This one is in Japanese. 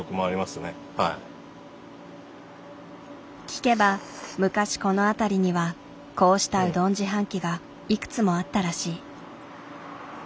聞けば昔この辺りにはこうしたうどん自販機がいくつもあったらしい。